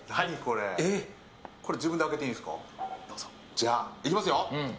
じゃあ、いきますよ。